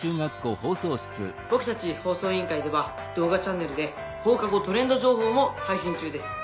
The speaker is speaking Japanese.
僕たち放送委員会では動画チャンネルで『放課後トレンド情報』も配信中です」。